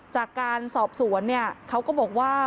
จากการสอบสวนเขาก็บอกว่า